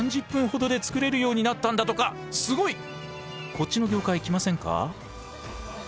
こっちの業界来ませんか？